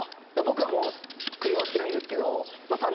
僕はもう食い終わってるんですけど。